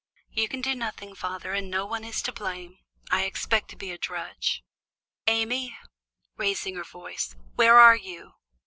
"You can do nothing, father, and no one is to blame. I expect to be a drudge. Amy," raising her voice, "where are you?